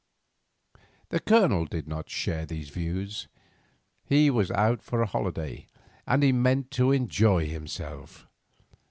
The Colonel did not share these views. He was out for a holiday, and he meant to enjoy himself.